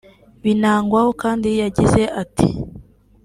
Binagwaho kandi yagize ati